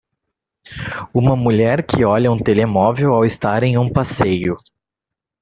Uma mulher que olha um telemóvel ao estar em um passeio.